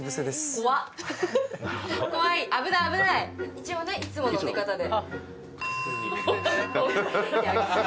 一応いつもの寝方で。